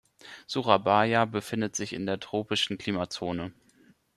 Surabaya befindet sich in der tropischen Klimazone.